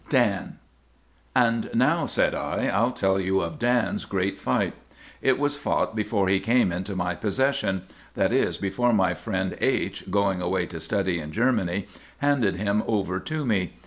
DAN. "And now," said I, "I'll tell you of Dan's great fight. It was fought before he came into my possession; that is, before my friend H——, going away to study in Germany, handed him over to me.